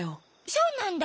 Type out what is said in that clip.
そうなんだ。